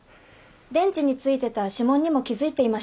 電池に付いてた指紋にも気付いていました。